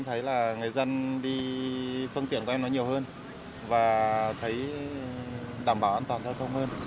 thấy là người dân đi phương tiện của em nó nhiều hơn và thấy đảm bảo an toàn giao thông hơn